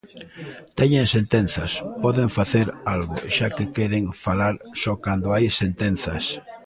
Teñen sentenzas, poden facer algo, xa que queren falar só cando hai sentenzas.